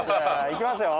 いきますよ。